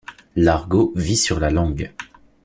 L’argot vit sur la langue.